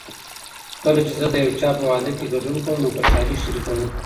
کله چې زه د یو چا په واده کې ګډون کوم نو خوشالي شریکوم.